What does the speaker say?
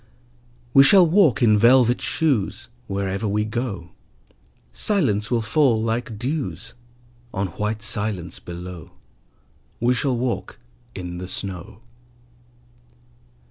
We shall walk in velvet shoes: Wherever we go Silence will fall like dews On white silence below. We shall walk in the snow.